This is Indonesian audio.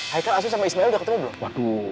haikal sama ismail ga ketemu belum